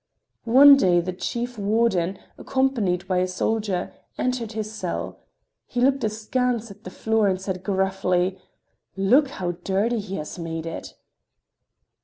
One day the chief warden, accompanied by a soldier, entered his cell. He looked askance at the floor and said gruffly: "Look! How dirty he has made it!"